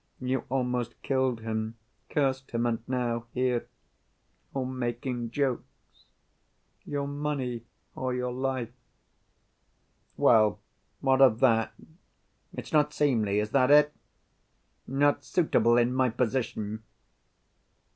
"You almost killed him—cursed him—and now—here—you're making jokes—'Your money or your life!' " "Well, what of that? It's not seemly—is that it? Not suitable in my position?"